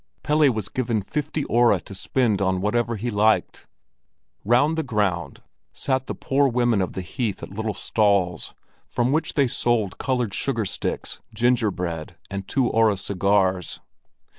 Pelle was given fifty öre to spend on whatever he liked. Round the ground sat the poor women of the Heath at little stalls, from which they sold colored sugar sticks, gingerbread and two öre cigars.